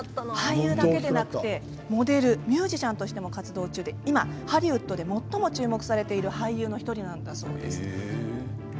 俳優だけでなくてモデル、ミュージシャンとしても活動中で今、ハリウッドで最も注目されている俳優の１人なんだそうです。